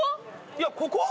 いやここ？